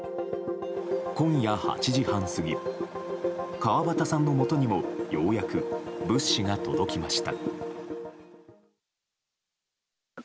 今夜８時半過ぎ河端さんのもとにもようやく物資が届きました。